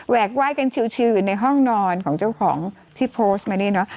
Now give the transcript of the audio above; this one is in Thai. แหวกวายกันชิวในห้องนอนของเจ้าของที่โพสต์มาเนี้ยนะ